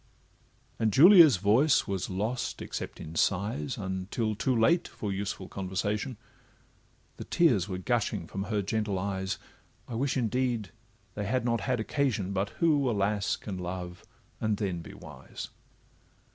And Julia's voice was lost, except in sighs, Until too late for useful conversation; The tears were gushing from her gentle eyes, I wish indeed they had not had occasion, But who, alas! can love, and then be wise?